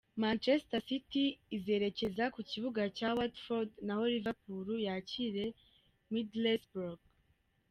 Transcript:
Manchester City izerekeza ku kibuga cya Watford naho Liverpool yakire Middlesbrough.